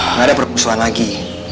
nggak ada perbusuan lagi